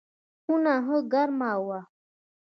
خونه ښه ګرمه وه.